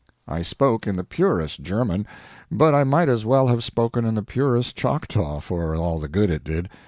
I spoke in the purest German, but I might as well have spoken in the purest Choctaw for all the good it did.